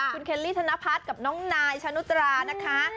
คุณเคลลี่ธนพัฒน์กับน้องนายชะนุตรานะคะ